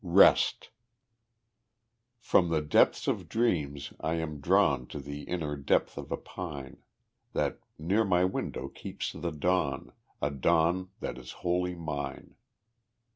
Rest From the depths of dreams I am drawn To the inner depth of a pine, That near my window keeps the dawn A dawn that is wholly mine.